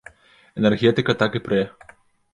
Энергетыка так і прэ!